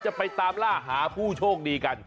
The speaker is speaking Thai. จะไปตามล่าหาผู้โชคดีกัน